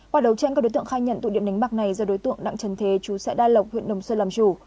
qua đấu tranh các đối tượng khai nhận tụ điểm đánh bạc này do đối tượng đặng trần thế chú xã đa lộc huyện đồng xuân làm chủ